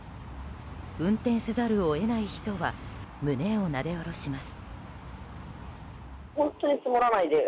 運転せざるを得ない人は胸をなで下ろします。